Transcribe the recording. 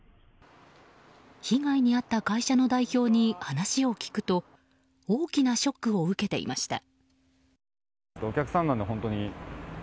被害に遭った会社の代表に話を聞くと大きなショックを受けていました。